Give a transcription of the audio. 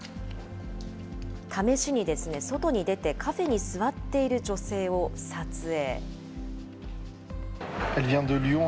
試しにですね、外に出て、カフェに座っている女性を撮影。